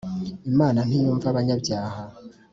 Imana ntiyumva abanyabyaha